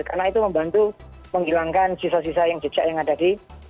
karena itu membantu menghilangkan sisa sisa jejak yang ada di